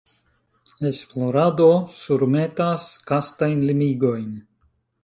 Esplorado surmetas kastajn limigojn.